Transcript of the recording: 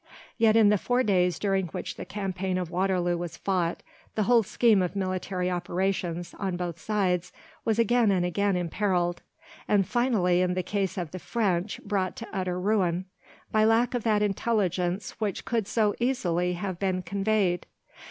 Yet in the four days during which the campaign of Waterloo was fought, the whole scheme of military operations on both sides was again and again imperilled, and finally in the case of the French brought to utter ruin by lack of that intelligence which could so easily have been conveyed.